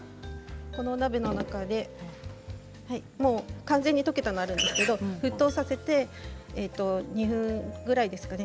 お鍋の中に、もう完全に溶けたのがあるんですけど沸騰させて２分ぐらいですかね。